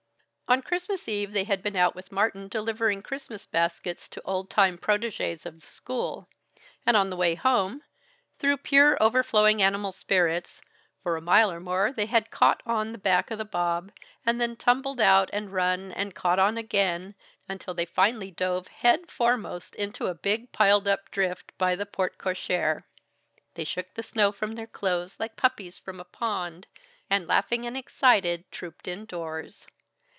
On Christmas Eve they had been out with Martin delivering Christmas baskets to old time protégés of the school; and on the way home, through pure overflowing animal spirits, for a mile or more they had "caught on" the back of the bob, and then tumbled out and run and caught on again, until they finally dove head foremost into the big piled up drift by the porte cochère. They shook the snow from their clothes, like puppies from a pond, and laughing and excited trooped indoors.